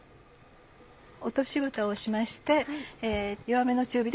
落としぶたをしまして。